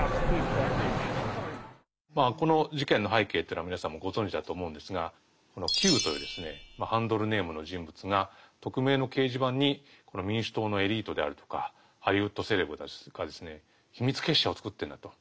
まあこの事件の背景というのは皆さんもうご存じだと思うんですが「Ｑ」というハンドルネームの人物が匿名の掲示板に民主党のエリートであるとかハリウッドセレブたちが秘密結社を作ってるんだと。